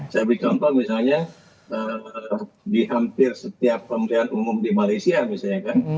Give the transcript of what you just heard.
saya beri contoh misalnya di hampir setiap pemilihan umum di malaysia misalnya kan